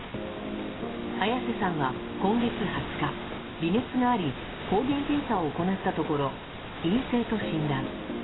綾瀬さんは、今月２０日微熱があり抗原検査を行ったところ陰性と診断。